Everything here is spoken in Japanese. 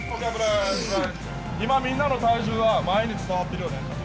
今みんなの体重は前に伝わっているよね。